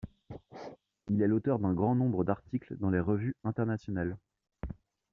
Il est l'auteur d'un grand nombre d'articles dans les Revues internationales.